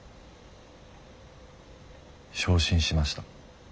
昇進しました。